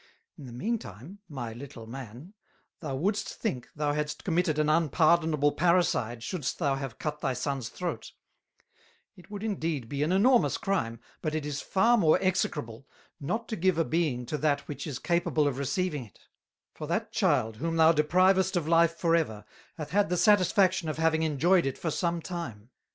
In the mean time, my little Man, thou wouldst think thou hadst committed an unpardonable Parracide, shouldst thou have cut thy Sons throat: It would indeed be an enormous Crime, but it is far more execrable, not to give a Being to that which is capable of receiving it: For that Child whom thou deprivest of life for ever, hath had the satisfaction of having enjoyed it for some time.